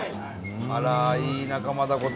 あらいい仲間だこと。